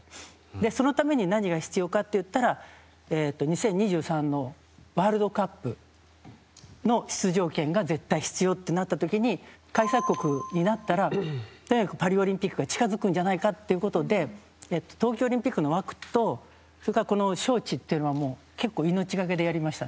そのために何が必要かって言ったら２０２３のワールドカップの出場権が絶対必要ってなった時に開催国になったらとにかくパリオリンピックが近づくんじゃないかってことで東京オリンピックの枠とこの招致っていうのはもう結構、命がけでやりました。